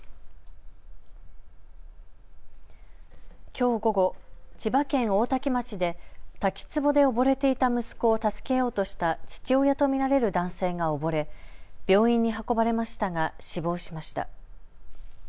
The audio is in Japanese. きょう午後、千葉県大多喜町で滝つぼで溺れていた息子を助けようとした父親と見られる男性が溺れ病院に運ばれましたが死亡しました。